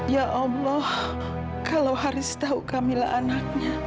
ya allah kalau haris tahu kamilah anaknya